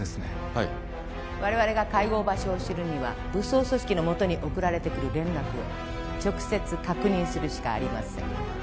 はい我々が会合場所を知るには武装組織のもとに送られてくる連絡を直接確認するしかありません